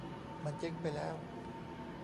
มันเจ๊งไปแล้ว